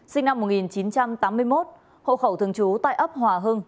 sinh năm một nghìn chín trăm tám mươi một hộ khẩu thường trú tại ấp hòa hưng